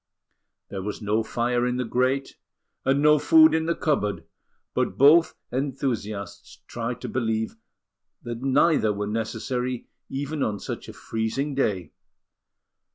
There was no fire in the grate, and no food in the cupboard, but both enthusiasts tried to believe that neither were necessary even on such a freezing day.